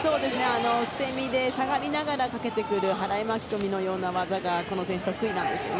捨て身で下がりながらかけてくる払い巻き込みのような技がこの選手得意なんですね。